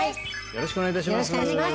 よろしくお願いします